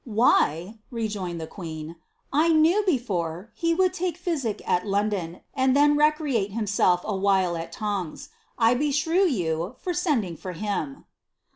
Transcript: " Why," rejoined the queen, " 1 knew before, he would lake physic ai London, and iheo recreate himself awhile al Tongs. I beshrew you, for sending for htm."